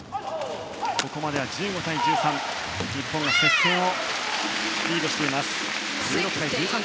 ここまでは１６対１３と日本が接戦の中リードしています。